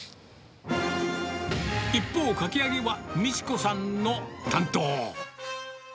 一方、かき揚げは、みち子さんの担当。